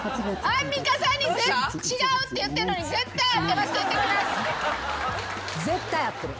アンミカさんに「違う」って言ってんのに「絶対合ってます」って。